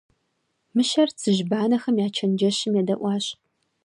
Мыщэр цыжьбанэхэм я чэнджэщым едэӀуащ.